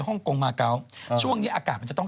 ฮงกงมาเกาะช่วงนี้อากาศมันจะต้อง